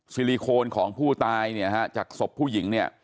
ซิลิโคนของผู้ตายเนี่ยฮะจากศพผู้หญิงเนี่ย